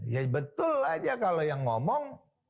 ya betul aja kalau yang ngomong